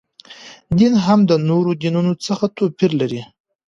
دین هم د نورو دینونو څخه توپیر لري.